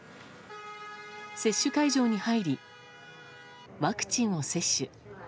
接種会場に入り、ワクチンを接種。